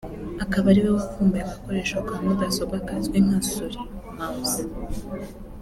akaba ariwe wavumbuye agakoresho ka mudasobwa kazwi nka Souris (mouse)